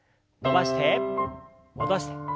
伸ばして戻して。